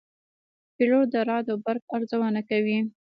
پیلوټ د رعد او برق ارزونه کوي.